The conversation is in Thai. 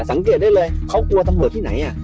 สังเกตได้เลยเขากลัวตำรวจที่ไหน